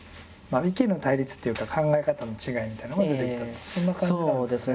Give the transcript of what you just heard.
意見の対立というか考え方の違いみたいなのが出てきたってそんな感じなんですかね。